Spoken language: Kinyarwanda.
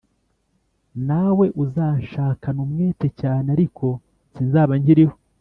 nawe uzanshakana umwete cyane, ariko sinzaba nkiriho